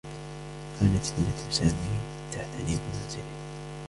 كانت ابنة سامي تعتني بمنزله.